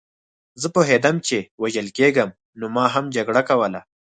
زه پوهېدم چې وژل کېږم نو ما هم جګړه کوله